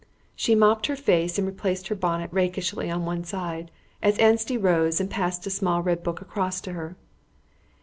She mopped her face and replaced her bonnet rakishly on one side, as Anstey rose and passed a small red book across to her.